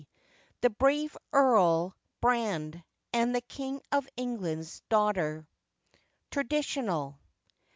THE BRAVE EARL BRAND AND THE KING OF ENGLAND'S DAUGHTER. (TRADITIONAL.)